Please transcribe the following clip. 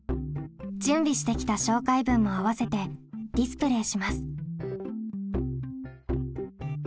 準備してきた紹介文も合わせてディスプレーします。